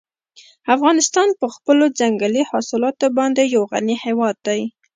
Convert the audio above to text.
افغانستان په خپلو ځنګلي حاصلاتو باندې یو غني هېواد دی.